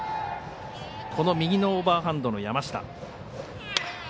この右のオーバーハンドの山下。